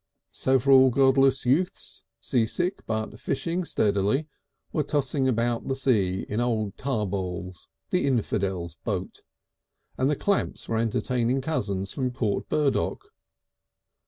Several godless youths, seasick but fishing steadily, were tossing upon the sea in old Tarbold's, the infidel's, boat, and the Clamps were entertaining cousins from Port Burdock.